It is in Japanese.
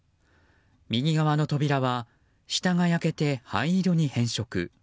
右側の扉は下が焼けて灰色に変色。